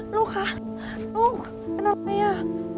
ลูกค่ะลูกกันขึ้นมากดีตัว